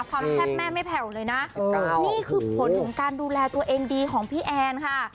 แซ่บแม่ไม่แผ่วเลยนะนี่คือผลของการดูแลตัวเองดีของพี่แอนค่ะ